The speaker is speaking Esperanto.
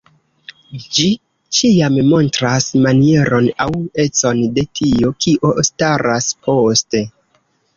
Ĝi ĉiam montras manieron aŭ econ de tio, kio staras poste.